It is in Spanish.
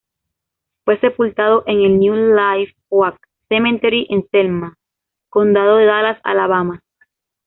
Fue sepultado en el New Live Oak Cemetery en Selma, condado de Dallas, Alabama.